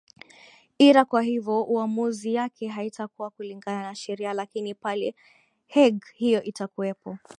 ira kwa hivyo uamuzi yake haitakuwa kulingana na sheria lakini pale hague hiyo itakuwepo